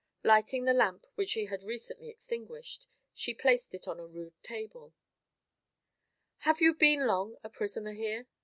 Lighting the lamp which she had recently extinguished, she placed it on a rude table. "Have you been long a prisoner here?"